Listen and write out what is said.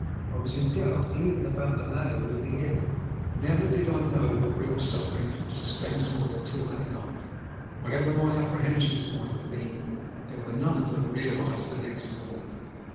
I was in doubt even about the landlord of the inn. Never did I know what real suffering from suspense was, until that night, Whatever my apprehensions might have been, they were none of them realized the next morning.